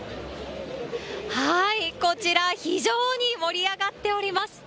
こちら、非常に盛り上がっております。